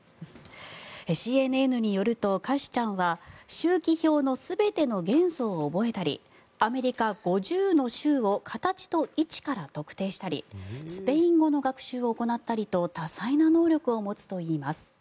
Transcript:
ＣＮＮによると、カシュちゃんは周期表の全ての元素を覚えたりアメリカ５０の州を形と位置から特定したりスペイン語の学習を行ったりと多彩な能力を持つといいます。